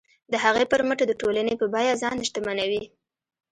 د هغې پر مټ د ټولنې په بیه ځان شتمنوي.